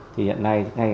thì hiện nay ngay